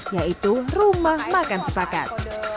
yaitu rumah makan sepakat